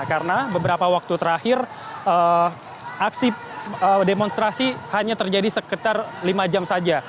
karena beberapa waktu terakhir aksi demonstrasi hanya terjadi sekitar lima jam saja